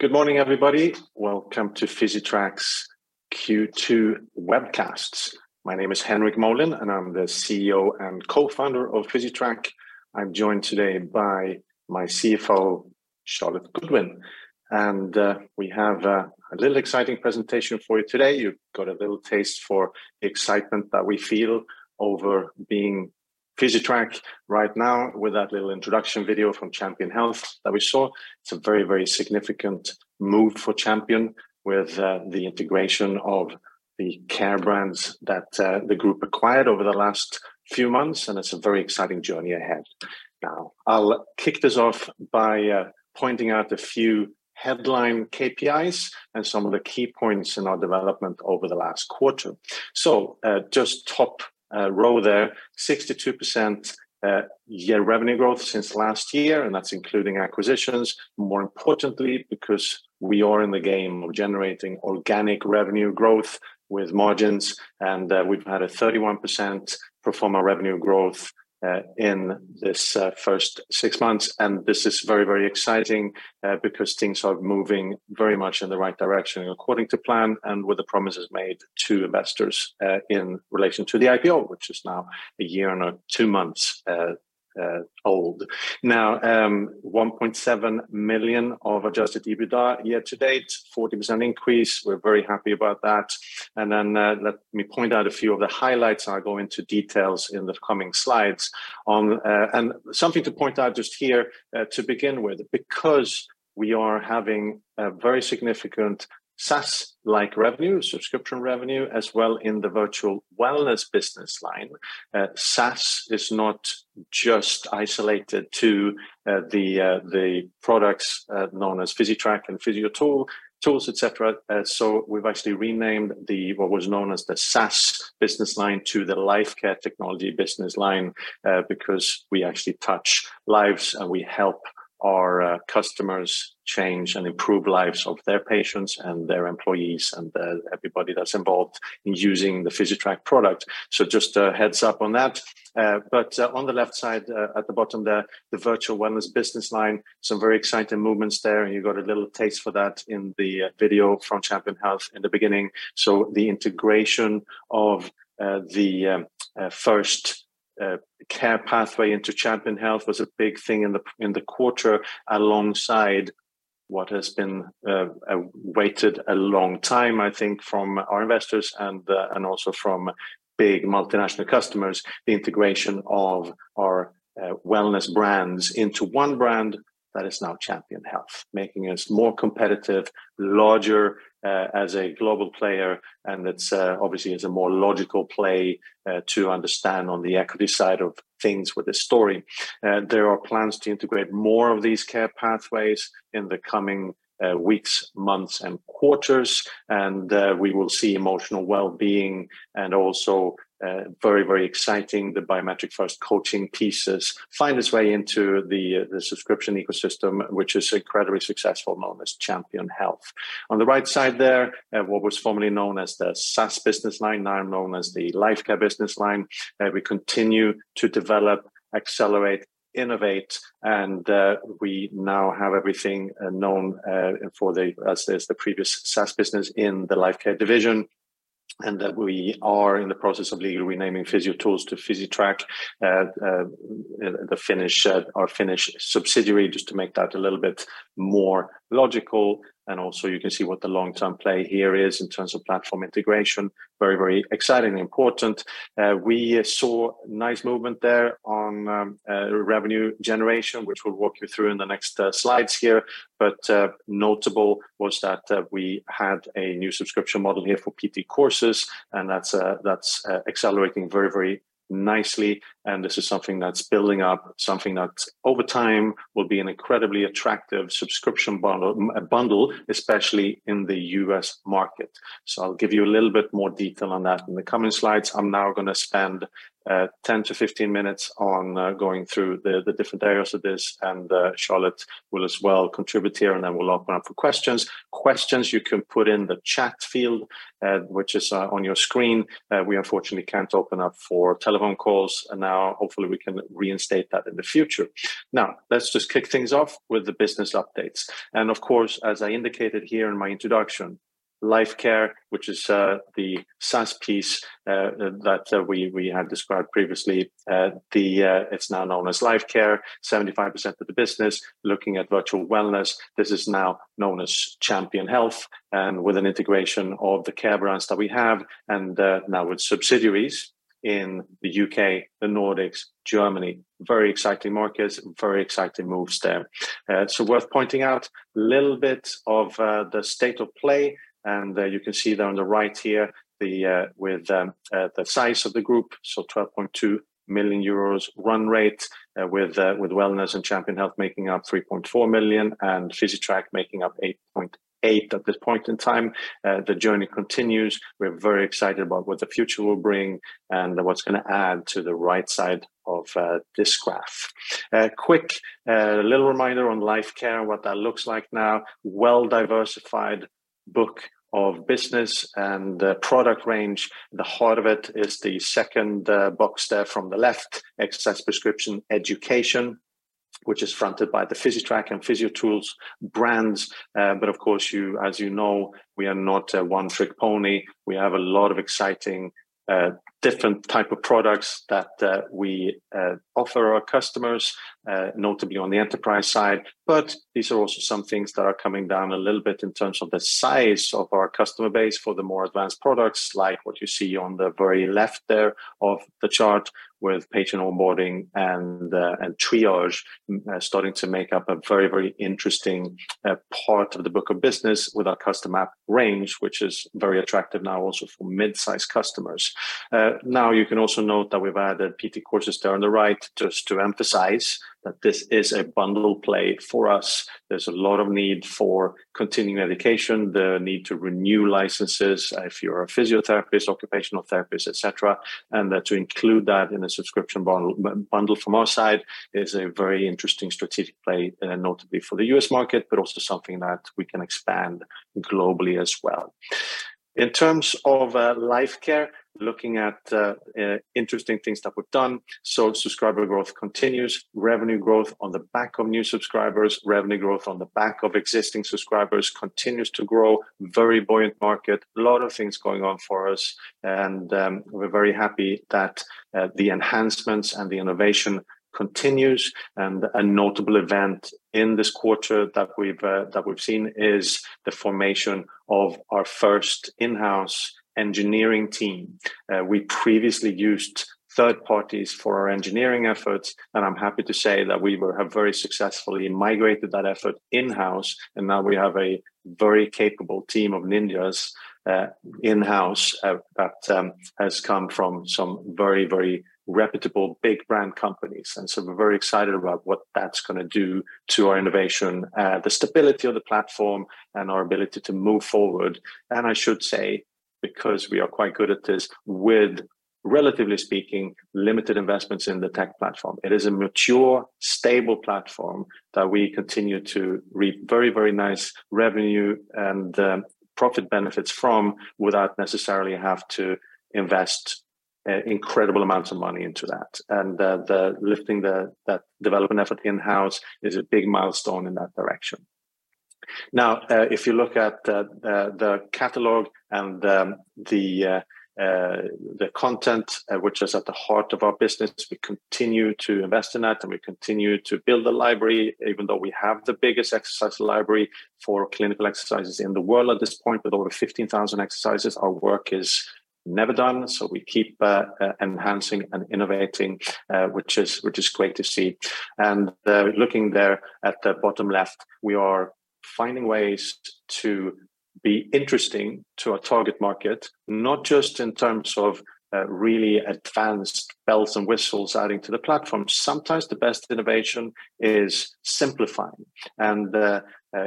Good morning, everybody. Welcome to Physitrack's Q2 webcast. My name is Henrik Molin, and I'm the CEO and co-founder of Physitrack. I'm joined today by my CFO, Charlotte Goodwin. We have a little exciting presentation for you today. You got a little taste for the excitement that we feel over being Physitrack right now with that little introduction video from Champion Health that we saw. It's a very, very significant move for Champion with the integration of the care brands that the group acquired over the last few months, and it's a very exciting journey ahead. Now, I'll kick this off by pointing out a few headline KPIs and some of the key points in our development over the last quarter. Just top row there, 62% year revenue growth since last year, and that's including acquisitions. More importantly, because we are in the game of generating organic revenue growth with margins, and we've had a 31% platform revenue growth in this first six months. This is very, very exciting because things are moving very much in the right direction according to plan and with the promises made to investors in relation to the IPO, which is now a year and two months old. Now, 1.7 million of adjusted EBITDA year to date, 40% increase. We're very happy about that. Then, let me point out a few of the highlights. I'll go into details in the coming slides. Something to point out just here to begin with, because we are having a very significant SaaS-like revenue, subscription revenue, as well in the Virtual Wellness business line. SaaS is not just isolated to the products known as Physitrack and Physiotools, et cetera. We've actually renamed what was known as the SaaS business line to the Lifecare Technology business line, because we actually touch lives, and we help our customers change and improve lives of their patients and their employees and everybody that's involved in using the Physitrack product. Just a heads up on that. On the left side, at the bottom there, the Virtual Wellness business line, some very exciting movements there. You got a little taste for that in the video from Champion Health in the beginning. The integration of the first care pathway into Champion Health was a big thing in the quarter, alongside what has been awaited a long time, I think, from our investors and also from big multinational customers, the integration of our wellness brands into one brand that is now Champion Health, making us more competitive, larger as a global player, and it's obviously a more logical play to understand on the equity side of things with this story. There are plans to integrate more of these care pathways in the coming weeks, months, and quarters. We will see emotional well-being and also very, very exciting, the biometric-first coaching pieces find its way into the subscription ecosystem, which is incredibly successful, known as Champion Health. On the right side there, what was formerly known as the SaaS business line, now known as the Lifecare business line. We continue to develop, accelerate, innovate, and we now have everything known as the previous SaaS business in the Lifecare division, and that we are in the process of legally renaming Physiotools to Physitrack, our Finnish subsidiary, just to make that a little bit more logical. You can see what the long-term play here is in terms of platform integration. Very, very exciting and important. We saw nice movement there on revenue generation, which we'll walk you through in the next slides here. Notable was that we had a new subscription model here for PT Courses, and that's accelerating very, very nicely. This is something that's building up, something that over time will be an incredibly attractive subscription bundle, especially in the U.S. market. I'll give you a little bit more detail on that in the coming slides. I'm now gonna spend 10 minutes-15 minutes on going through the different areas of this. Charlotte will as well contribute here, and then we'll open up for questions. Questions you can put in the chat field, which is on your screen. We unfortunately can't open up for telephone calls. Now hopefully we can reinstate that in the future. Now, let's just kick things off with the business updates. Of course, as I indicated here in my introduction, Lifecare, which is the SaaS piece that we had described previously, it's now known as Lifecare, 75% of the business. Looking at Virtual Wellness, this is now known as Champion Health, and with an integration of the care brands that we have and now with subsidiaries in the U.K., the Nordics, Germany, very exciting markets, very exciting moves there. It's worth pointing out a little bit of the state of play, and you can see there on the right here, with the size of the group, so 12.2 million euros run rate, with wellness and Champion Health making up 3.4 million and Physitrack making up 8.8 million at this point in time. The journey continues. We're very excited about what the future will bring and what's gonna add to the right side of this graph. Quick little reminder on Lifecare and what that looks like now. Well-diversified book of business and product range. The heart of it is the second box there from the left, exercise prescription education, which is fronted by the Physitrack and Physiotools brands. But of course, as you know, we are not a one-trick pony. We have a lot of exciting different type of products that we offer our customers, notably on the enterprise side. These are also some things that are coming down a little bit in terms of the size of our customer base for the more advanced products like what you see on the very left there of the chart with patient onboarding and triage starting to make up a very, very interesting part of the book of business with our custom app range, which is very attractive now also for mid-sized customers. Now you can also note that we've added PT Courses there on the right just to emphasize that this is a bundle play for us. There's a lot of need for continuing education, the need to renew licenses if you're a physiotherapist, occupational therapist, et cetera. To include that in a subscription bundle from our side is a very interesting strategic play, notably for the U.S. market, but also something that we can expand globally as well. In terms of Lifecare, looking at interesting things that we've done. Subscriber growth continues, revenue growth on the back of new subscribers, revenue growth on the back of existing subscribers continues to grow. Very buoyant market. A lot of things going on for us. We're very happy that the enhancements and the innovation continues. A notable event in this quarter that we've seen is the formation of our first in-house engineering team. We previously used third parties for our engineering efforts, and I'm happy to say that we have very successfully migrated that effort in-house, and now we have a very capable team of ninjas in-house that has come from some very, very reputable big brand companies. We're very excited about what that's gonna do to our innovation, the stability of the platform and our ability to move forward. I should say, because we are quite good at this, with relatively speaking, limited investments in the tech platform. It is a mature, stable platform that we continue to reap very, very nice revenue and profit benefits from without necessarily have to invest incredible amounts of money into that. That development effort in-house is a big milestone in that direction. Now, if you look at the catalog and the content which is at the heart of our business, we continue to invest in that, and we continue to build the library, even though we have the biggest exercise library for clinical exercises in the world at this point, with over 15,000 exercises, our work is never done. We keep enhancing and innovating, which is great to see. Looking there at the bottom left, we are finding ways to be interesting to our target market, not just in terms of really advanced bells and whistles adding to the platform. Sometimes the best innovation is simplifying.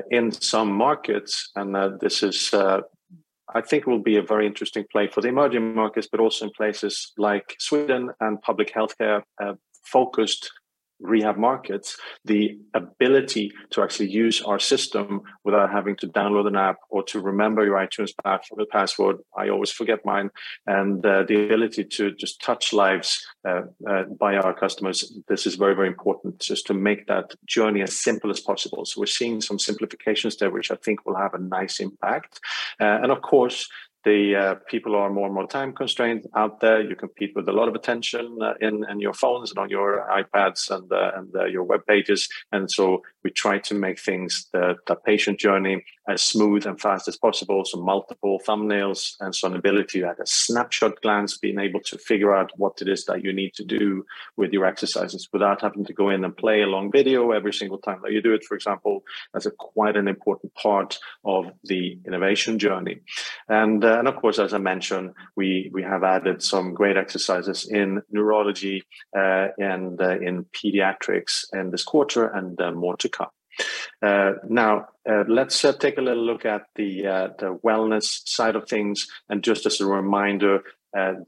In some markets, this is, I think, a very interesting play for the emerging markets, but also in places like Sweden and public healthcare focused rehab markets, the ability to actually use our system without having to download an app or to remember your iTunes password. I always forget mine. The ability to just touch lives by our customers, this is very, very important just to make that journey as simple as possible. We're seeing some simplifications there, which I think will have a nice impact. Of course, the people are more and more time-constrained out there. You compete with a lot of attention in your phones and on your iPads and your web pages. We try to make things, the patient journey as smooth and fast as possible, so multiple thumbnails and some ability to have a snapshot glance, being able to figure out what it is that you need to do with your exercises without having to go in and play a long video every single time that you do it, for example. That's a quite an important part of the innovation journey. Of course, as I mentioned, we have added some great exercises in neurology and in pediatrics in this quarter and more to come. Now, let's take a little look at the wellness side of things. Just as a reminder,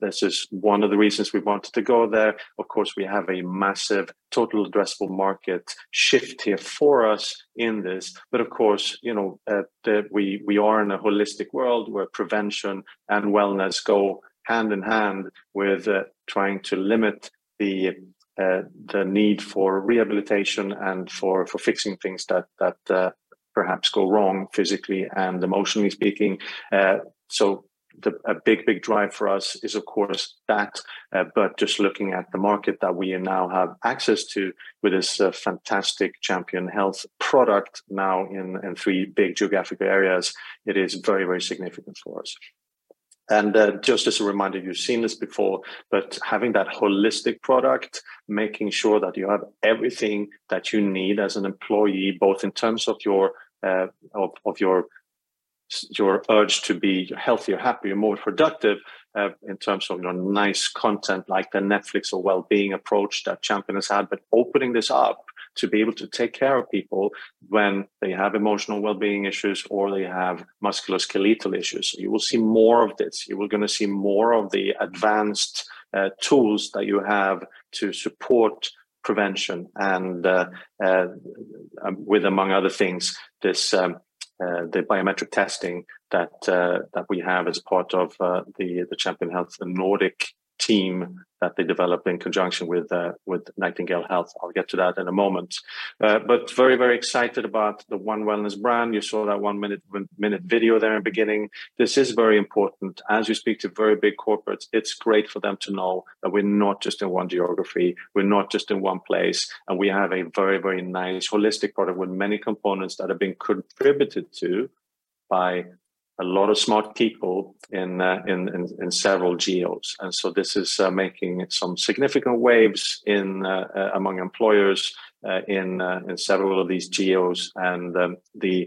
this is one of the reasons we wanted to go there. Of course, we have a massive total addressable market shift here for us in this. Of course, you know, we are in a holistic world where prevention and wellness go hand in hand with trying to limit the need for rehabilitation and for fixing things that perhaps go wrong physically and emotionally speaking. A big, big drive for us is of course that, but just looking at the market that we now have access to with this fantastic Champion Health product now in three big geographic areas, it is very, very significant for us. Just as a reminder, you've seen this before, but having that holistic product, making sure that you have everything that you need as an employee, both in terms of your urge to be healthier, happier, more productive, in terms of your nice content like the Netflix or wellbeing approach that Champion Health has had. Opening this up to be able to take care of people when they have emotional wellbeing issues or they have musculoskeletal issues, you will see more of this. You are gonna see more of the advanced tools that you have to support prevention and, with, among other things, this, the biometric testing that we have as part of the Champion Health Nordic team that they develop in conjunction with Nightingale Health. I'll get to that in a moment. Very, very excited about the One Wellness brand. You saw that one minute video there in the beginning. This is very important. As we speak to very big corporates, it's great for them to know that we're not just in one geography, we're not just in one place, and we have a very, very nice holistic product with many components that have been contributed to by a lot of smart people in several geos. This is making some significant waves among employers in several of these geos. The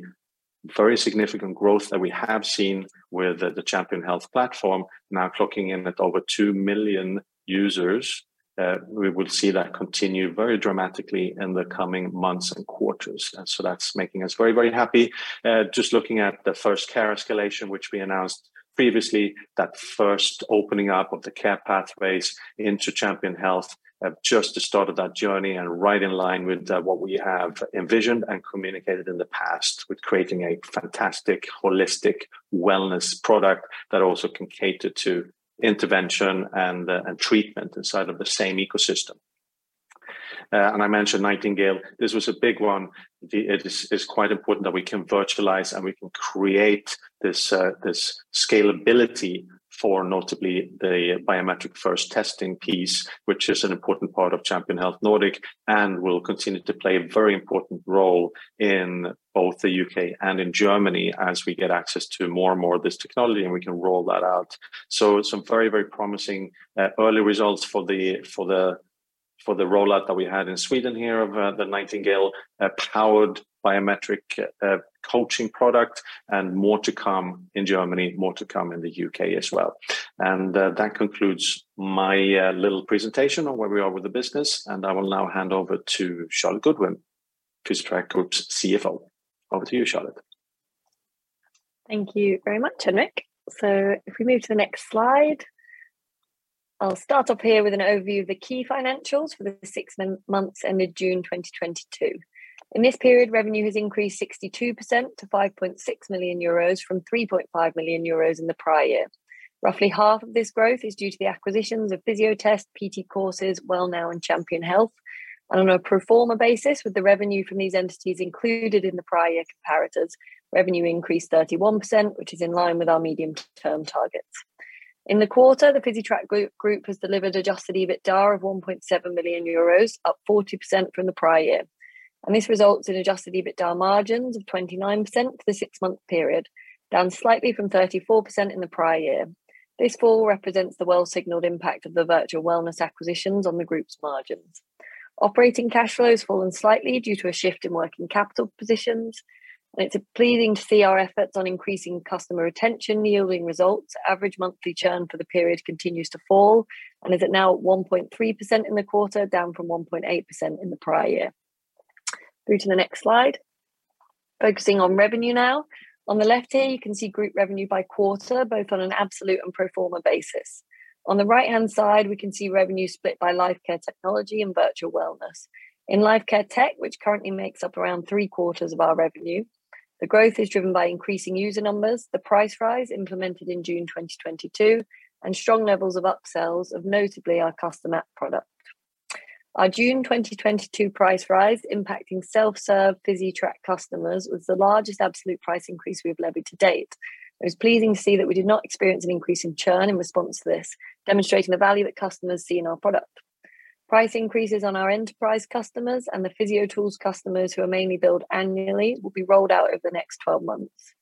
very significant growth that we have seen with the Champion Health platform now clocking in at over two million users. We will see that continue very dramatically in the coming months and quarters. That's making us very, very happy. Just looking at the first care escalation, which we announced previously, that first opening up of the care pathways into Champion Health, just the start of that journey and right in line with what we have envisioned and communicated in the past with creating a fantastic holistic wellness product that also can cater to intervention and treatment inside of the same ecosystem. I mentioned Nightingale Health. This was a big one. It is quite important that we can virtualize, and we can create this scalability for notably the biometric first testing piece, which is an important part of Champion Health Nordic and will continue to play a very important role in both the U.K. and in Germany as we get access to more and more of this technology, and we can roll that out. Some very promising early results for the rollout that we had in Sweden here of the Nightingale powered biometric coaching product, and more to come in Germany, more to come in the U.K. as well. That concludes my little presentation on where we are with the business. I will now hand over to Charlotte Goodwin, Physitrack Group's CFO. Over to you, Charlotte. Thank you very much, Henrik. If we move to the next slide. I'll start off here with an overview of the key financials for the six months ended June 2022. In this period, revenue has increased 62% to 5.6 million euros from 3.5 million euros in the prior year. Roughly half of this growth is due to the acquisitions of Fysiotest, PT Courses, Wellnow, and Champion Health. On a pro forma basis, with the revenue from these entities included in the prior year comparators, revenue increased 31%, which is in line with our medium-term targets. In the quarter, the Physitrack Group has delivered adjusted EBITDA of 1.7 million euros, up 40% from the prior year. This results in adjusted EBITDA margins of 29% for the six-month period, down slightly from 34% in the prior year. This fall represents the well-signaled impact of the Virtual Wellness acquisitions on the group's margins. Operating cash flow has fallen slightly due to a shift in working capital positions. It's pleasing to see our efforts on increasing customer retention yielding results. Average monthly churn for the period continues to fall and is at now 1.3% in the quarter, down from 1.8% in the prior year. Turn to the next slide. Focusing on revenue now. On the left here, you can see group revenue by quarter, both on an absolute and pro forma basis. On the right-hand side, we can see revenue split by Lifecare Technology and Virtual Wellness. In Lifecare Technology, which currently makes up around three-quarters of our revenue, the growth is driven by increasing user numbers, the price rise implemented in June 2022, and strong levels of upsells of notably our custom app product. Our June 2022 price rise impacting self-serve Physitrack customers was the largest absolute price increase we've levied to date. It was pleasing to see that we did not experience an increase in churn in response to this, demonstrating the value that customers see in our product. Price increases on our enterprise customers and the Physiotools customers who are mainly billed annually will be rolled out over the next 12 months.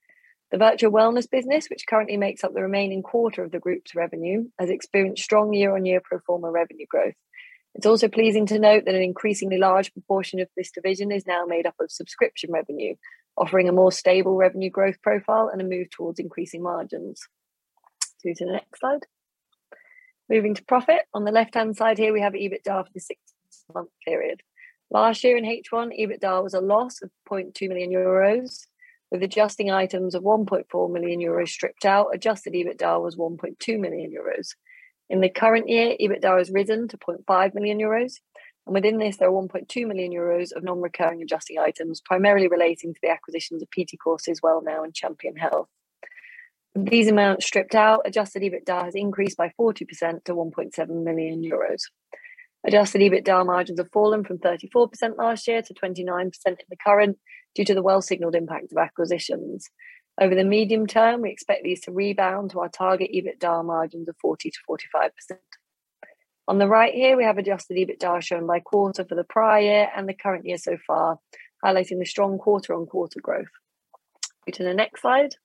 The Virtual Wellness business, which currently makes up the remaining quarter of the group's revenue, has experienced strong year-on-year pro forma revenue growth. It's also pleasing to note that an increasingly large proportion of this division is now made up of subscription revenue, offering a more stable revenue growth profile and a move towards increasing margins. Through to the next slide. Moving to profit. On the left-hand side here, we have EBITDA for the six-month period. Last year in H1, EBITDA was a loss of 0.2 million euros. With adjusting items of 1.4 million euros stripped out, adjusted EBITDA was 1.2 million euros. In the current year, EBITDA has risen to 0.5 million euros. Within this, there are 1.2 million euros of non-recurring adjusting items, primarily relating to the acquisitions of PT Courses, Wellnow, and Champion Health. With these amounts stripped out, adjusted EBITDA has increased by 40% to 1.7 million euros. Adjusted EBITDA margins have fallen from 34% last year to 29% in the current year due to the well-signaled impact of acquisitions. Over the medium term, we expect these to rebound to our target EBITDA margins of 40%-45%. On the right here, we have adjusted EBITDA shown by quarter for the prior year and the current year so far, highlighting the strong quarter-on-quarter growth. Turn to the next slide.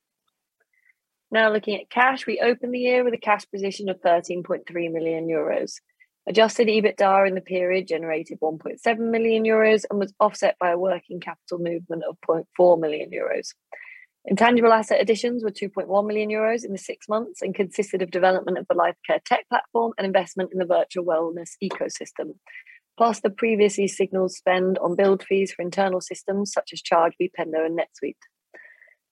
Now looking at cash. We opened the year with a cash position of 13.3 million euros. Adjusted EBITDA in the period generated 1.7 million euros and was offset by a working capital movement of 0.4 million euros. Intangible asset additions were 2.1 million euros in the six months and consisted of development of the Lifecare Technology platform and investment in the Virtual Wellness ecosystem, plus the previously signaled spend on build fees for internal systems such as Chargebee, Pendo, and NetSuite.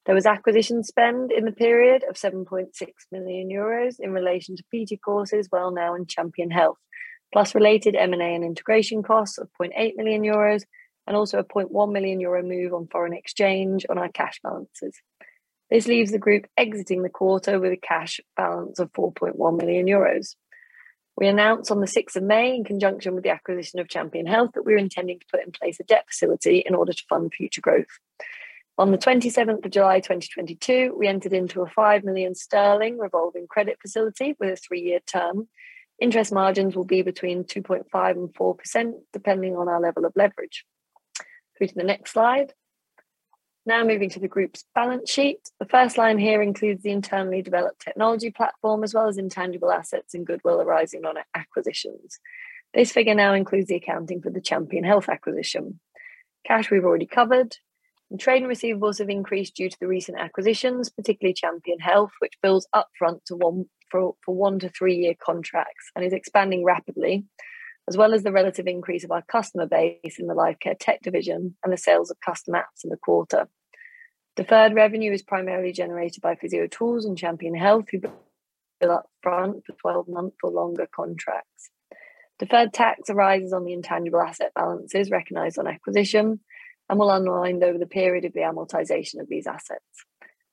There was acquisition spend in the period of 7.6 million euros in relation to PT Courses, Wellnow, and Champion Health, plus related M&A and integration costs of 0.8 million euros and also a 0.1 million euro move on foreign exchange on our cash balances. This leaves the group exiting the quarter with a cash balance of 4.1 million euros. We announced on the 6th of May in conjunction with the acquisition of Champion Health that we were intending to put in place a debt facility in order to fund future growth. On the 27th of July, 2022, we entered into a 5 million sterling revolving credit facility with a three-year term. Interest margins will be between 2.5%-4% depending on our level of leverage. Through to the next slide. Now moving to the group's balance sheet. The first line here includes the internally developed technology platform, as well as intangible assets and goodwill arising on our acquisitions. This figure now includes the accounting for the Champion Health acquisition. Cash we've already covered. Trade and receivables have increased due to the recent acquisitions, particularly Champion Health, which bills up front for 1-year to 3-year contracts and is expanding rapidly. As well as the relative increase of our customer base in the Lifecare Technology division and the sales of custom apps in the quarter. Deferred revenue is primarily generated by Physiotools and Champion Health, who bill up front for twelve-month or longer contracts. Deferred tax arises on the intangible asset balances recognized on acquisition and will unwind over the period of the amortization of these assets.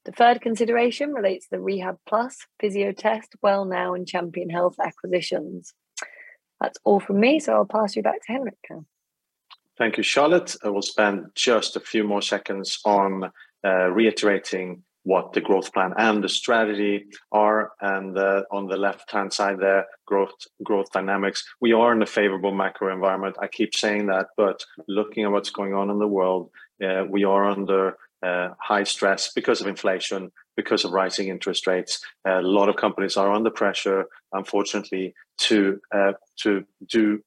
Deferred consideration relates to the Rehabplus, Fysiotest, Wellnow, and Champion Health acquisitions. That's all from me, so I'll pass you back to Henrik now. Thank you, Charlotte. I will spend just a few more seconds on reiterating what the growth plan and the strategy are and on the left-hand side there, growth dynamics. We are in a favorable macro environment. I keep saying that, but looking at what's going on in the world, we are under high stress because of inflation, because of rising interest rates. A lot of companies are under pressure, unfortunately, to do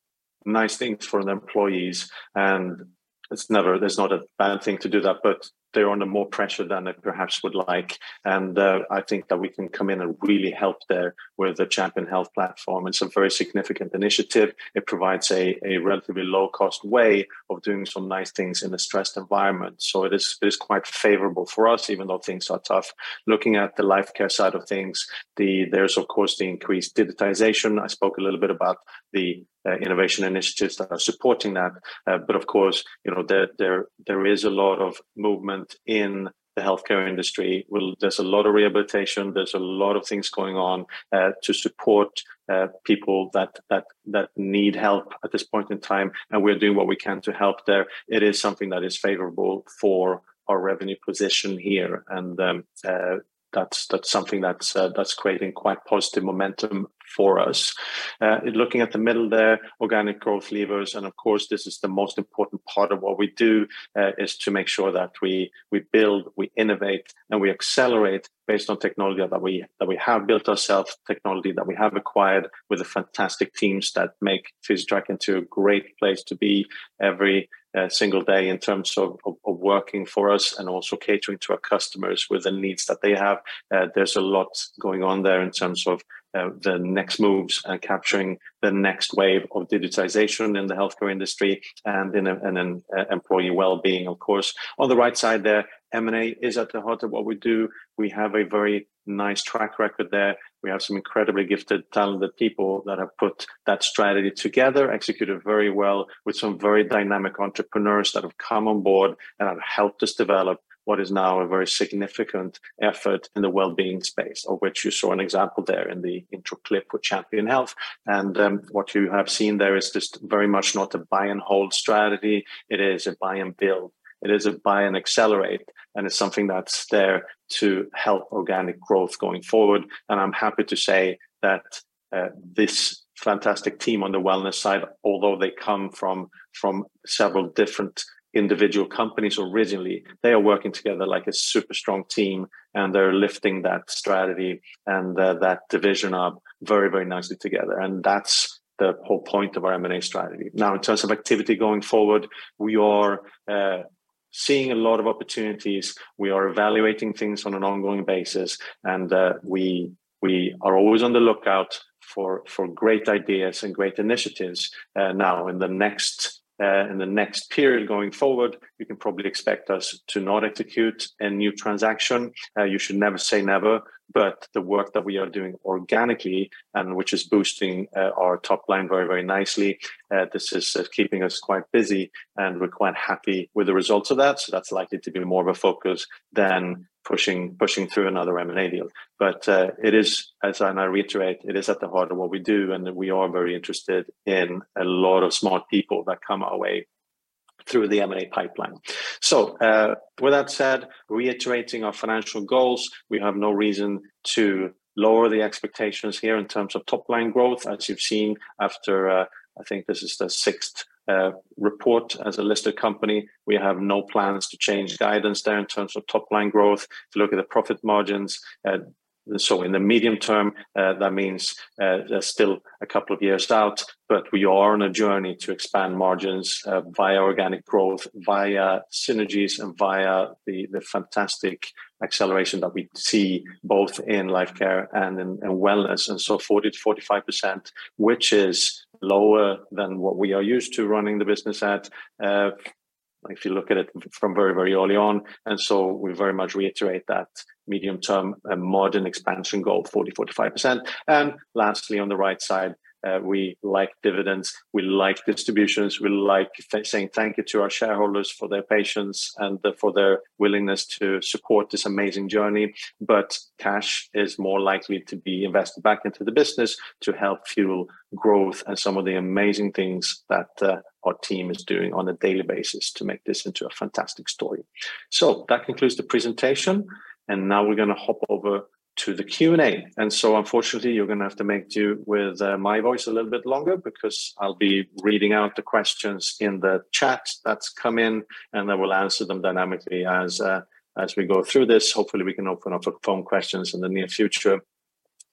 nice things for their employees. It's never a bad thing to do that, but they're under more pressure than they perhaps would like. I think that we can come in and really help there with the Champion Health platform. It's a very significant initiative. It provides a relatively low-cost way of doing some nice things in a stressed environment. It is quite favorable for us, even though things are tough. Looking at the Lifecare side of things, there's of course the increased digitization. I spoke a little bit about the innovation initiatives that are supporting that. Of course, you know, there is a lot of movement in the healthcare industry. Well, there's a lot of rehabilitation, there's a lot of things going on to support people that need help at this point in time, and we're doing what we can to help there. It is something that is favorable for our revenue position here. That's something that's creating quite positive momentum for us. Looking at the middle there, organic growth levers. Of course, this is the most important part of what we do, is to make sure that we build, we innovate, and we accelerate based on technology that we have built ourselves, technology that we have acquired with the fantastic teams that make Physitrack into a great place to be every single day in terms of working for us and also catering to our customers with the needs that they have. There's a lot going on there in terms of the next moves, capturing the next wave of digitization in the healthcare industry and in employee wellbeing, of course. On the right side there, M&A is at the heart of what we do. We have a very nice track record there. We have some incredibly gifted, talented people that have put that strategy together, executed very well with some very dynamic entrepreneurs that have come on board and have helped us develop what is now a very significant effort in the wellbeing space, of which you saw an example there in the intro clip with Champion Health. What you have seen there is just very much not a buy and hold strategy. It is a buy and build. It is a buy and accelerate, and it's something that's there to help organic growth going forward. I'm happy to say that this fantastic team on the wellness side, although they come from several different individual companies originally, they are working together like a super strong team, and they're lifting that strategy and that division up very, very nicely together. That's the whole point of our M&A strategy. Now, in terms of activity going forward, we are seeing a lot of opportunities. We are evaluating things on an ongoing basis, and we are always on the lookout for great ideas and great initiatives. Now, in the next period going forward, you can probably expect us to not execute a new transaction. You should never say never, but the work that we are doing organically and which is boosting our top line very, very nicely, this is keeping us quite busy, and we're quite happy with the results of that. That's likely to be more of a focus than pushing through another M&A deal. It is, as I now reiterate, at the heart of what we do, and we are very interested in a lot of smart people that come our way through the M&A pipeline. With that said, reiterating our financial goals. We have no reason to lower the expectations here in terms of top-line growth, as you've seen after, I think this is the sixth report as a listed company. We have no plans to change guidance there in terms of top-line growth. If you look at the profit margins, so in the medium term, that means, there's still a couple of years out, but we are on a journey to expand margins, via organic growth, via synergies, and via the fantastic acceleration that we see both in Lifecare and in Wellness. 40%-45%, which is lower than what we are used to running the business at. If you look at it from very, very early on, and so we very much reiterate that medium-term and margin expansion goal 40%-45%. Lastly, on the right side, we like dividends, we like distributions, we like saying thank you to our shareholders for their patience and for their willingness to support this amazing journey. Cash is more likely to be invested back into the business to help fuel growth and some of the amazing things that our team is doing on a daily basis to make this into a fantastic story. That concludes the presentation, and now we're gonna hop over to the Q&A. Unfortunately, you're gonna have to make do with my voice a little bit longer because I'll be reading out the questions in the chat that's come in, and then we'll answer them dynamically as we go through this. Hopefully, we can open up for phone questions in the near future.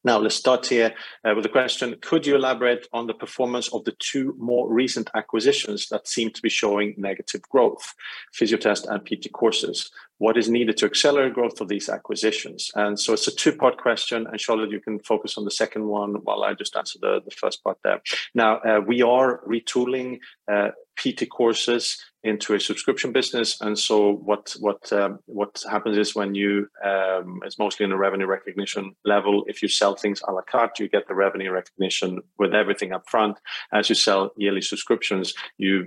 Now, let's start here with a question. Could you elaborate on the performance of the two more recent acquisitions that seem to be showing negative growth, Fysiotest and PT Courses? What is needed to accelerate growth of these acquisitions? It's a two-part question, and Charlotte, you can focus on the second one while I just answer the first part there. Now, we are retooling PT Courses into a subscription business, and so what happens is when you—It's mostly in the revenue recognition level. If you sell things à la carte, you get the revenue recognition with everything up front. As you sell yearly subscriptions, you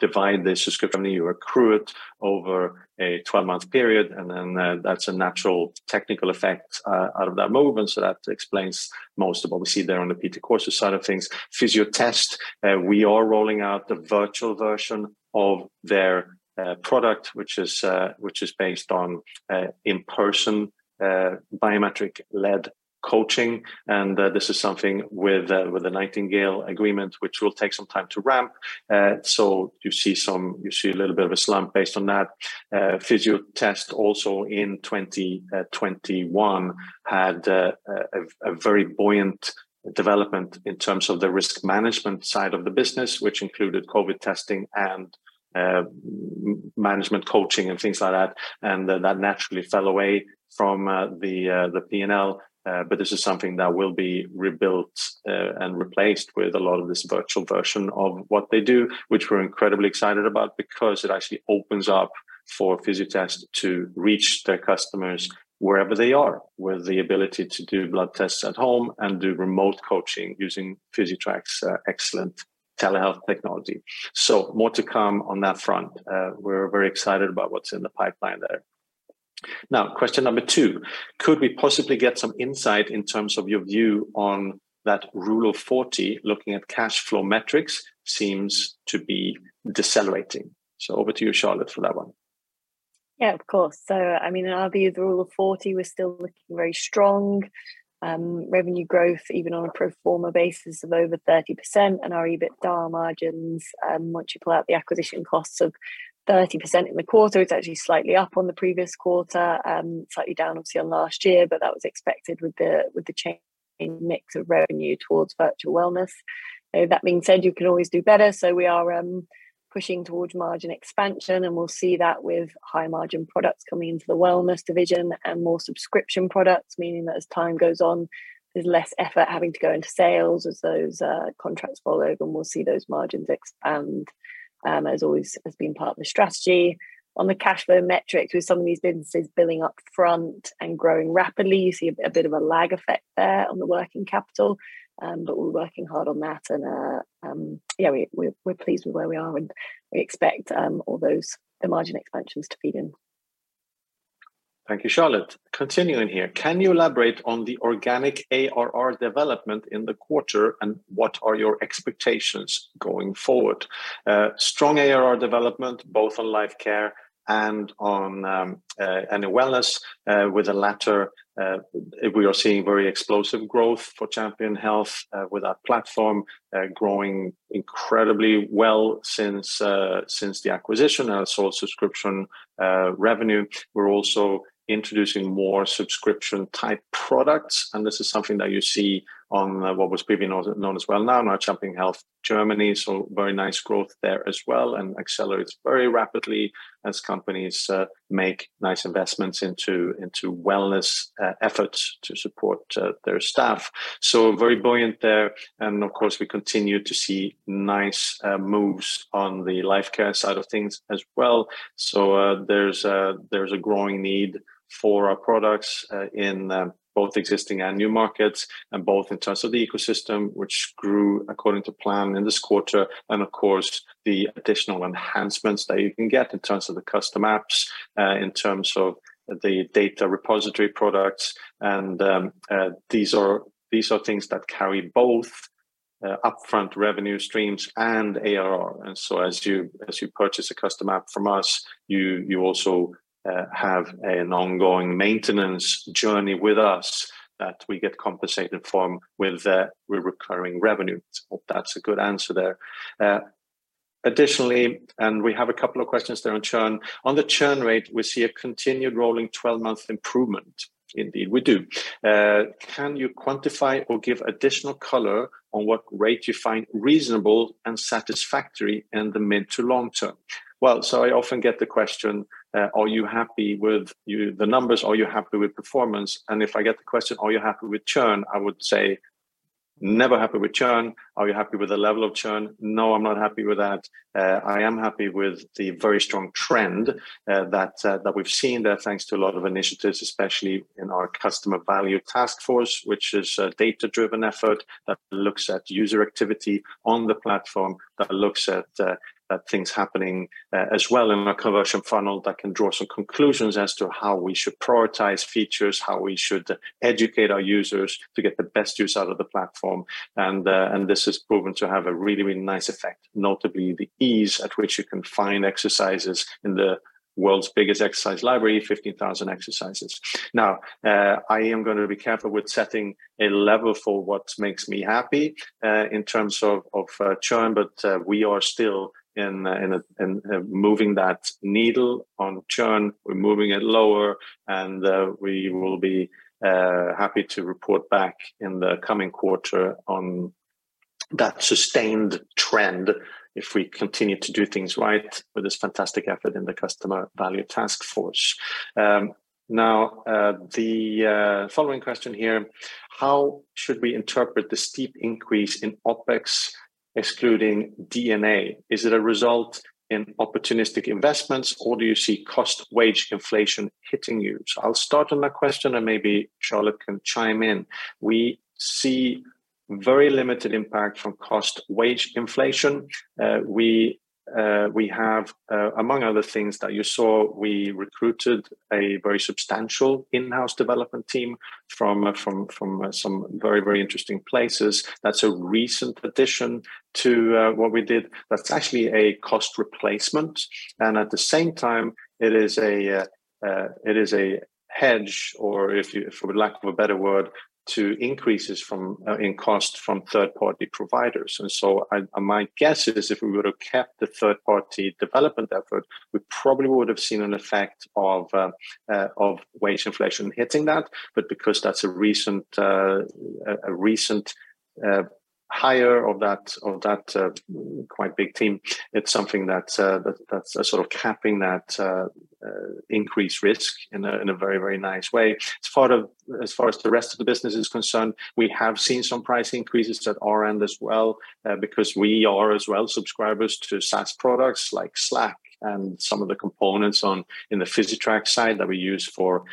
divide the subscription, you accrue it over a 12-month period, and then that's a natural technical effect out of that movement, so that explains most of what we see there on the PT Courses side of things. Fysiotest, we are rolling out the virtual version of their product, which is based on in-person biometric-led coaching. This is something with the Nightingale Health agreement, which will take some time to ramp. You see a little bit of a slump based on that. Fysiotest also in 2021 had a very buoyant development in terms of the risk management side of the business, which included COVID testing and management coaching and things like that. That naturally fell away from the P&L, but this is something that will be rebuilt and replaced with a lot of this virtual version of what they do, which we're incredibly excited about because it actually opens up for Fysiotest to reach their customers wherever they are, with the ability to do blood tests at home and do remote coaching using Physitrack's excellent telehealth technology. More to come on that front. We're very excited about what's in the pipeline there. Now, question number two. Could we possibly get some insight in terms of your view on that Rule of 40 looking at cash flow metrics seems to be decelerating? Over to you, Charlotte, for that one. Yeah, of course. I mean, in our view, the Rule of 40, we're still looking very strong. Revenue growth, even on a pro forma basis of over 30% and our EBITDA margins, once you pull out the acquisition costs of 30% in the quarter, it's actually slightly up on the previous quarter, slightly down obviously on last year, but that was expected with the changing mix of revenue towards Virtual Wellness. You know, that being said, you can always do better, so we are pushing towards margin expansion, and we'll see that with high-margin products coming into the Wellness division and more subscription products, meaning that as time goes on, there's less effort having to go into sales as those contracts roll over, and we'll see those margins expand, as always has been part of the strategy. On the cash flow metrics, with some of these businesses billing up front and growing rapidly, you see a bit of a lag effect there on the working capital, but we're working hard on that and we're pleased with where we are and we expect all those the margin expansions to feed in. Thank you, Charlotte. Continuing here. Can you elaborate on the organic ARR development in the quarter, and what are your expectations going forward? Strong ARR development both on Lifecare and on Virtual Wellness, with the latter, we are seeing very explosive growth for Champion Health, with our platform, growing incredibly well since the acquisition and our sole subscription revenue. We're also introducing more subscription-type products, and this is something that you see on what was previously known as Wellnow, now Champion Health GmbH. Very nice growth there as well and accelerates very rapidly as companies make nice investments into wellness efforts to support their staff. Very buoyant there. Of course, we continue to see nice moves on the Lifecare side of things as well. There's a growing need for our products in both existing and new markets and both in terms of the ecosystem which grew according to plan in this quarter and of course, the additional enhancements that you can get in terms of the custom apps, in terms of the data repository products and these are things that carry both upfront revenue streams and ARR. As you purchase a custom app from us, you also have an ongoing maintenance journey with us that we get compensated from with the recurring revenue. Hope that's a good answer there. Additionally, we have a couple of questions there on churn. On the churn rate, we see a continued rolling 12-month improvement. Indeed, we do. Can you quantify or give additional color on what rate you find reasonable and satisfactory in the mid to long term? I often get the question, are you happy with the numbers? Are you happy with performance? If I get the question, are you happy with churn, I would say, Never happy with churn. Are you happy with the level of churn? No, I'm not happy with that. I am happy with the very strong trend that we've seen there, thanks to a lot of initiatives, especially in our customer value task force, which is a data-driven effort that looks at user activity on the platform, that looks at things happening as well in our conversion funnel that can draw some conclusions as to how we should prioritize features, how we should educate our users to get the best use out of the platform. This has proven to have a really, really nice effect, notably the ease at which you can find exercises in the world's biggest exercise library, 15,000 exercises. Now, I am gonna be careful with setting a level for what makes me happy in terms of churn, but we are still moving that needle on churn. We're moving it lower, and we will be happy to report back in the coming quarter on that sustained trend if we continue to do things right with this fantastic effort in the customer value task force. Now, the following question here. How should we interpret the steep increase in OpEx excluding D&A? Is it a result of opportunistic investments, or do you see cost wage inflation hitting you? I'll start on that question, and maybe Charlotte can chime in. We see very limited impact from cost wage inflation. We have, among other things that you saw, we recruited a very substantial in-house development team from some very interesting places. That's a recent addition to what we did. That's actually a cost replacement, and at the same time, it is a hedge or, if you, for lack of a better word, to increases in cost from third-party providers. My guess is if we would have kept the third-party development effort, we probably would have seen an effect of wage inflation hitting that. Because that's a recent hire of that quite big team, it's something that's that's sort of capping that increased risk in a very nice way. As far as the rest of the business is concerned, we have seen some price increases at our end as well, because we are as well subscribers to SaaS products like Slack and some of the components in the Physitrack side that we use for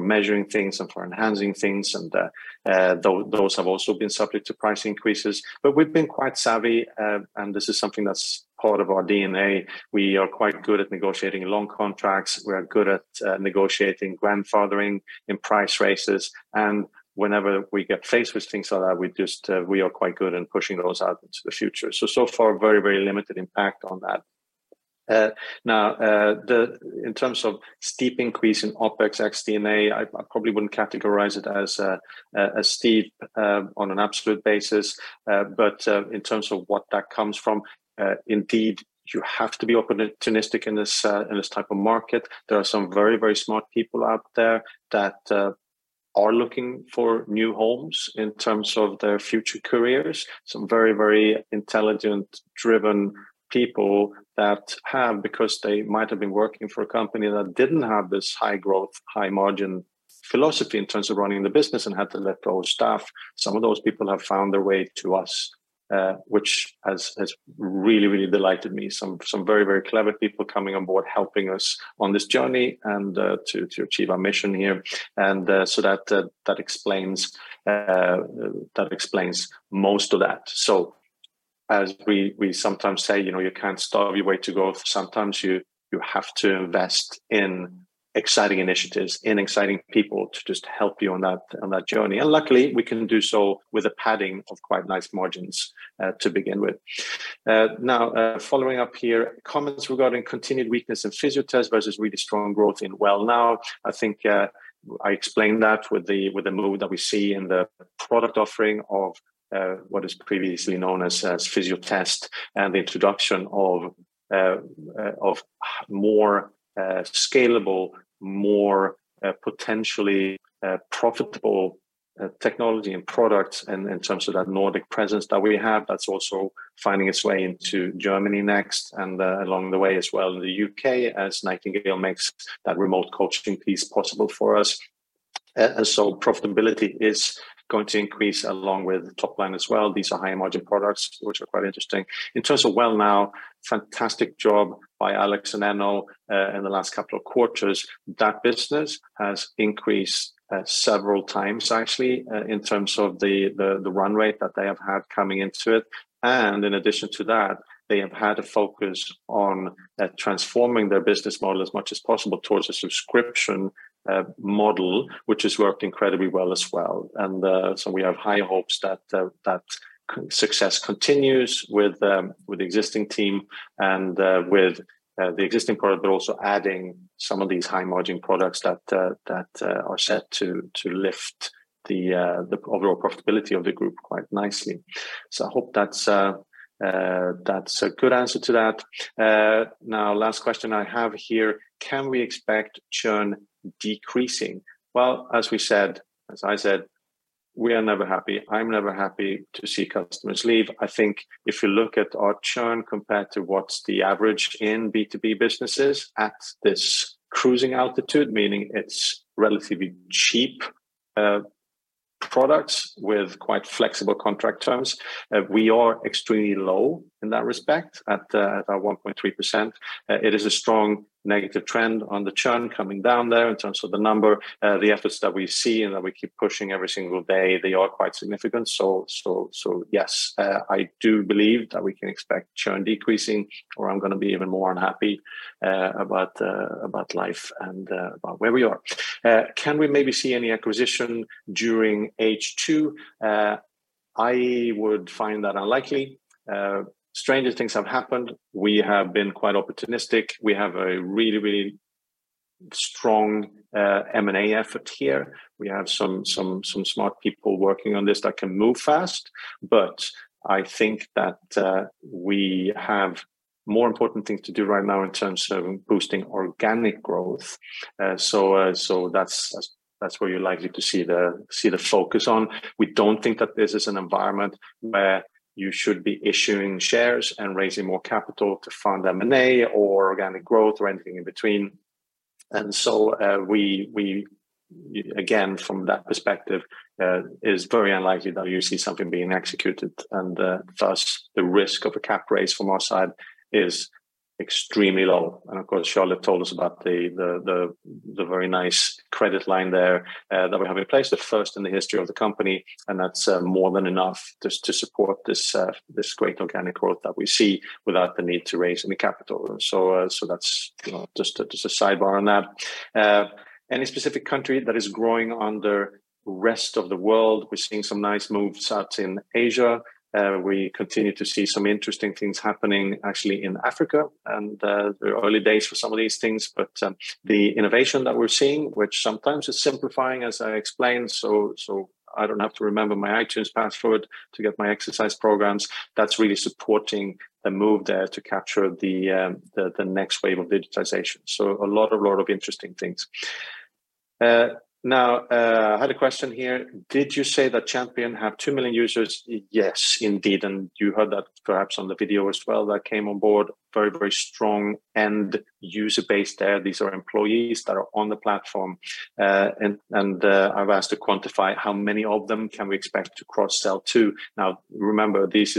measuring things and for enhancing things, and those have also been subject to price increases. We've been quite savvy, and this is something that's part of our DNA. We are quite good at negotiating long contracts. We are good at negotiating grandfathering in price raises. Whenever we get faced with things like that, we just, we are quite good in pushing those out into the future. So far, very limited impact on that. In terms of steep increase in OpEx ex D&A, I probably wouldn't categorize it as steep on an absolute basis. But in terms of what that comes from, indeed, you have to be opportunistic in this type of market. There are some very, very smart people out there that are looking for new homes in terms of their future careers. Some very, very intelligent, driven people that have, because they might have been working for a company that didn't have this high growth, high margin philosophy in terms of running the business and had to let go of staff. Some of those people have found their way to us, which has really, really delighted me. Some very clever people coming on board, helping us on this journey and to achieve our mission here. That explains most of that. As we sometimes say, you know, you can't starve your way to growth. Sometimes you have to invest in exciting initiatives, in exciting people to just help you on that journey. Luckily, we can do so with a padding of quite nice margins to begin with. Following up here, comments regarding continued weakness in Fysiotest versus really strong growth in Wellnow. I think I explained that with the move that we see in the product offering of what is previously known as Fysiotest and the introduction of more scalable, more potentially profitable technology and products in terms of that Nordic presence that we have. That's also finding its way into Germany next, and along the way as well in the U.K. as Nightingale makes that remote coaching piece possible for us. Profitability is going to increase along with top line as well. These are high margin products, which are quite interesting. In terms of Wellnow, fantastic job by Alex and Eno in the last couple of quarters. That business has increased several times actually in terms of the run rate that they have had coming into it. In addition to that, they have had a focus on transforming their business model as much as possible towards a subscription model, which has worked incredibly well as well. We have high hopes that that success continues with the existing team and with the existing product, but also adding some of these high margin products that are set to lift the overall profitability of the group quite nicely. I hope that's a good answer to that. Now last question I have here, can we expect churn decreasing? Well, as I said, we are never happy. I'm never happy to see customers leave. I think if you look at our churn compared to what's the average in B2B businesses at this cruising altitude, meaning it's relatively cheap, products with quite flexible contract terms. We are extremely low in that respect at 1.3%. It is a strong negative trend on the churn coming down there in terms of the number. The efforts that we see and that we keep pushing every single day, they are quite significant. Yes, I do believe that we can expect churn decreasing or I'm gonna be even more unhappy about life and about where we are. Can we maybe see any acquisition during H2? I would find that unlikely. Stranger things have happened. We have been quite opportunistic. We have a really, really strong M&A effort here. We have some smart people working on this that can move fast. I think that we have more important things to do right now in terms of boosting organic growth. That's where you're likely to see the focus on. We don't think that this is an environment where you should be issuing shares and raising more capital to fund M&A or organic growth or anything in between. We again, from that perspective, is very unlikely that you see something being executed. Thus the risk of a capital raise from our side is extremely low. Of course, Charlotte told us about the very nice credit line there that we have in place. The first in the history of the company, and that's more than enough to support this great organic growth that we see without the need to raise any capital. That's, you know, just a sidebar on that. Any specific country that is growing under rest of the world, we're seeing some nice moves out in Asia. We continue to see some interesting things happening actually in Africa and they're early days for some of these things, but the innovation that we're seeing, which sometimes is simplifying as I explained, so I don't have to remember my iTunes password to get my exercise programs. That's really supporting the move there to capture the next wave of digitization. A lot of interesting things. Now I had a question here. Did you say that Champion Health have 2 million users? Yes, indeed. You heard that perhaps on the video as well that came on board. Very, very strong end user base there. These are employees that are on the platform. I've asked to quantify how many of them can we expect to cross-sell to. Now remember, these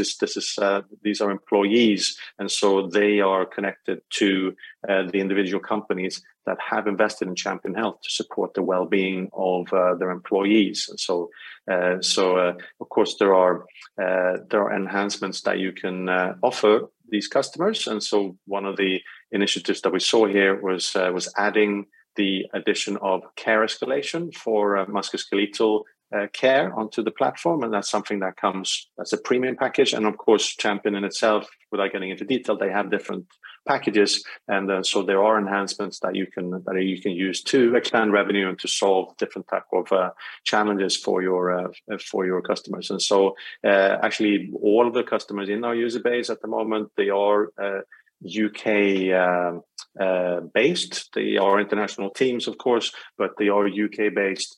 are employees and so they are connected to the individual companies that have invested in Champion Health to support the wellbeing of their employees. Of course, there are enhancements that you can offer these customers. One of the initiatives that we saw here was adding the addition of care escalation for musculoskeletal care onto the platform. That's something that comes as a premium package. Of course, Champion Health in itself, without getting into detail, they have different packages. There are enhancements that you can use to expand revenue and to solve different type of challenges for your customers. Actually, all the customers in our user base at the moment, they are U.K.-based. They are international teams, of course, but they are U.K.-based.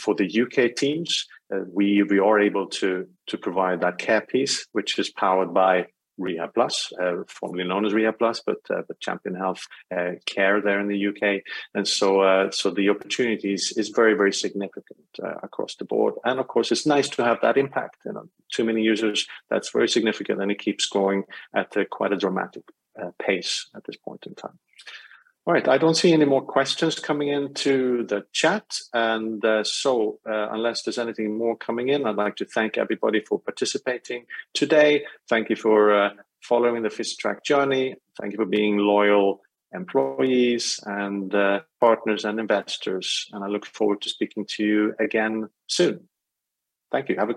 For the U.K. teams, we are able to provide that care piece, which is powered by Rehabplus, formerly known as Rehabplus, but Champion Health care there in the UK. The opportunities is very, very significant across the board. Of course, it's nice to have that impact. You know, two million users, that's very significant and it keeps growing at quite a dramatic pace at this point in time. All right. I don't see any more questions coming into the chat. Unless there's anything more coming in, I'd like to thank everybody for participating today. Thank you for following the Physitrack journey. Thank you for being loyal employees and partners and investors, and I look forward to speaking to you again soon. Thank you. Have a good day.